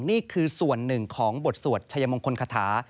นี่คือส่วนหนึ่งของบทสวดชัยมงคลคาถา